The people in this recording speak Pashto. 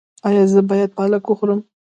ایا زه باید پالک وخورم؟